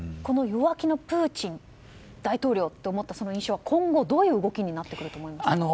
弱気のプーチン大統領と思ったその印象は、今後どういう動きになると思いますか。